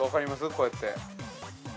こうやって。